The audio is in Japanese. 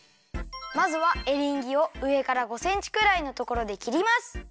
まずはエリンギをうえから５センチくらいのところできります。